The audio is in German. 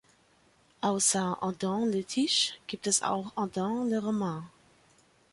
Außer Audun-le-Tiche gibt es noch Audun-le-Roman.